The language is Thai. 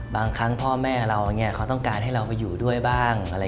ครั้งพ่อแม่เราเขาต้องการให้เราไปอยู่ด้วยบ้าง